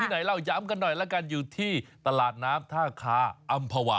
เบอร์ตราชมาธาคาอัมภวะ